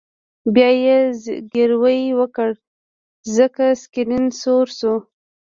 بیا یې زګیروی وکړ ځکه سکرین سور شو